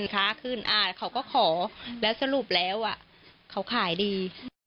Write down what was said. ค้าขึ้นเขาก็ขอแล้วสรุปแล้วเขาขายดี